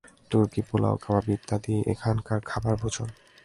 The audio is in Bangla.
তুর্কী পোলাও কাবাব ইত্যাদি এখানকার খাবার ভোজন।